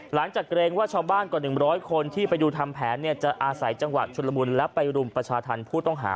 เกรงว่าชาวบ้านกว่า๑๐๐คนที่ไปดูทำแผนจะอาศัยจังหวะชุดละมุนและไปรุมประชาธรรมผู้ต้องหา